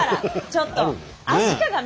ちょっと！